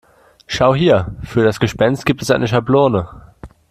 Schau hier, für das Gespenst gibt es eine Schablone.